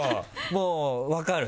もう分かる？